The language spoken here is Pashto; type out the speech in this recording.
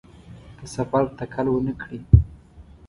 د سفر تکل ونکړي.